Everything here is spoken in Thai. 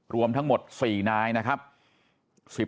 รวมทั้งหมด๔นายนะครับ